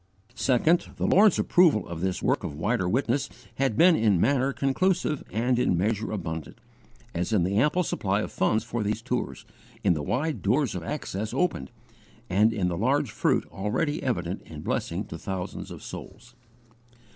2. The Lord's approval of this work of wider witness had been in manner conclusive and in measure abundant, as in the ample supply of funds for these tours, in the wide doors of access opened, and in the large fruit already evident in blessing to thousands of souls.